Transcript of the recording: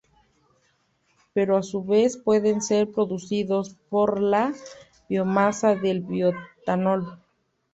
Pero a su vez pueden ser producidos por la biomasa del bioetanol.